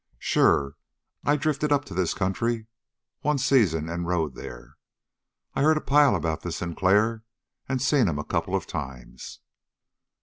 "Sure, I drifted up to this country one season and rode there. I heard a pile about this Sinclair and seen him a couple of times."